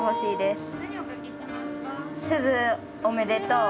「すずおめでとう」。